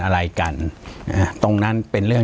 ปากกับภาคภูมิ